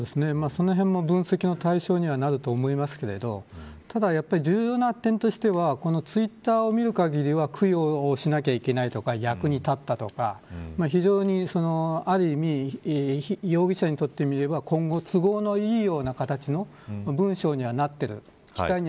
その辺も分析の対象にはなると思いますけどただやっぱり重要な点としてはツイッター見る限りでは供養しないといけないとか役に立ったとか非常に、ある意味容疑者にとってみれば今後、都合のいいような形の文章にはなっています。